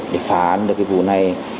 để phá án được cái vụ này